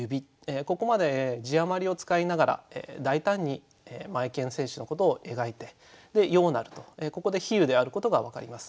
ここまで字余りを使いながら大胆にマエケン選手のことを描いて「ようなる」とここで比喩であることが分かります。